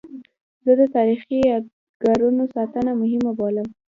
زه د تاریخي یادګارونو ساتنه مهمه بولم.